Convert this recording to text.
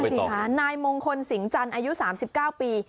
นางนาศิพานายมงคลสิงจันทร์อายุ๓๙ปี